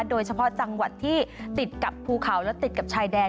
โดยเฉพาะจังหวัดที่ติดกับภูเขาและติดกับชายแดน